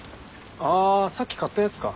あさっき買ったやつか。